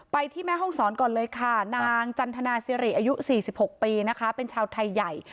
ที่แม่ห้องศรก่อนเลยค่ะนางจันทนาสิริอายุ๔๖ปีนะคะเป็นชาวไทยใหญ่